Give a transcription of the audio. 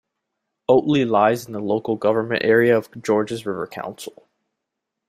Oatley lies in the local government area of Georges River Council.